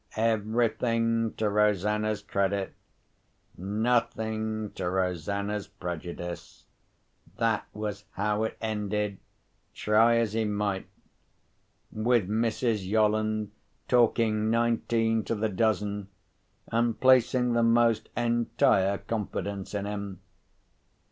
Everything to Rosanna's credit, nothing to Rosanna's prejudice—that was how it ended, try as he might; with Mrs. Yolland talking nineteen to the dozen, and placing the most entire confidence in him.